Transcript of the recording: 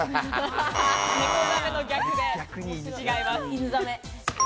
ネコザメの逆で、違います。